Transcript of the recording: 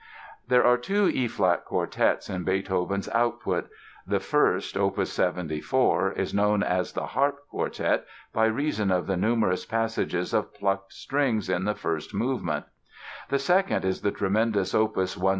There are two E flat quartets in Beethoven's output: the first, opus 74, is known as the "Harp" Quartet by reason of the numerous passages of plucked strings in the first movement; the second is the tremendous opus 127.